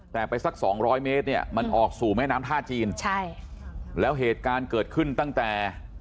แต่ไปสักสองร้อยเมตรเนี่ยมันออกสู่แม่น้ำท่าจีนใช่แล้วเหตุการณ์เกิดขึ้นตั้งแต่